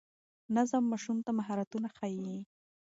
نظم ماشوم ته مهارتونه ښيي.